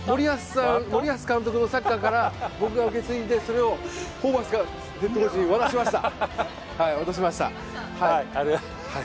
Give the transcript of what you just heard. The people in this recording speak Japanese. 森保監督のサッカーから僕が受け継いで、それをホーバスヘッドコーチに渡しました。